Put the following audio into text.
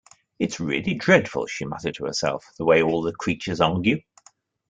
‘It’s really dreadful,’ she muttered to herself, ‘the way all the creatures argue’.